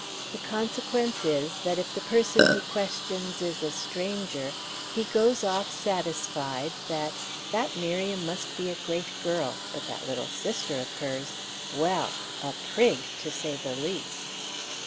The consequence is, that if the person who questions is a stranger, he goes off satisfied that "that Miriam must be a great girl; but that little sister of hers ! Well! a prig, to say the least!"